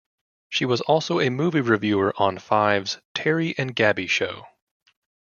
She was also a movie reviewer on Five's "Terry and Gaby Show".